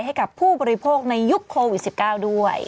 ให้กับผู้บริโภคในยุคโควิด๑๙ด้วย